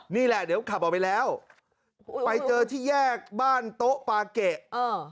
นี่แหละเดี๋ยวขับรถแก่ขับไปแล้วไปเจอที่แยกบ้านโต๊ะปลาเขะเออ